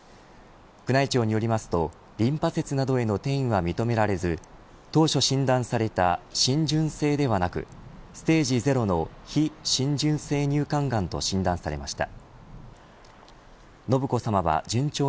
宮内庁によりますとリンパ節などへの転移は認められず当初診断された浸潤性ではなくステージ０の非浸潤性乳管がんと診断されました。